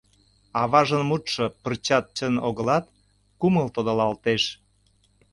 Аважын мутшо пырчат чын огылат, кумыл тодылалтеш.